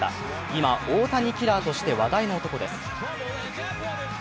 今、大谷キラーとして話題の男です。